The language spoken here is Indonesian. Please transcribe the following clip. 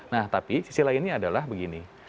nah tapi sisi lainnya adalah begini